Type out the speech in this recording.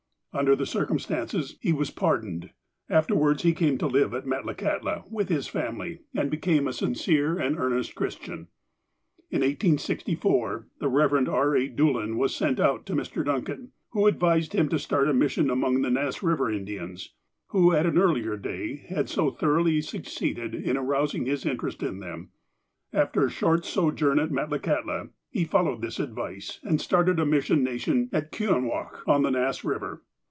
Under the circumstances, he was pardoned. After wards he came to live at Metlakahtla, with his family, and became a sincere and earnest Christian. In 1864, the Eev. E. A. Doolan was sent out to Mr. Duncan, who advised him to start a mission among the Nass Eiver Indians, who, at an earlier day, had so thor oughly succeeded in arousing his interest in them. After a short sojourn at Metlakahtla, he followed this advice, and started a mission station at Kuinwoch, on the Nass Eiver.